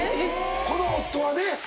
この夫はね。